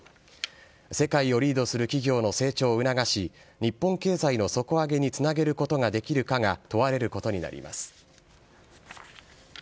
世界をリードする企業の成長を促し、日本経済の底上げにつなげることができるかが問われることになります。